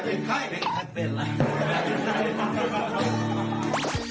แต่งไทยเป็นใคร